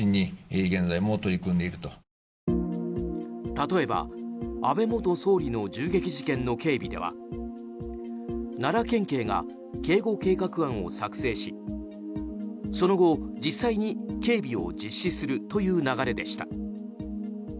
例えば安倍元総理の銃撃事件の警備では奈良県警が警護企画案を作成しその後、実際に警備を実施するという流れでした。